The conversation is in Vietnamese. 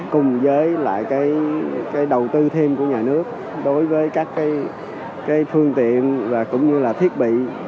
cùng với lại cái đầu tư thêm của nhà nước đối với các phương tiện và cũng như là thiết bị